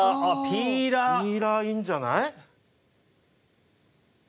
ピーラーいいんじゃない？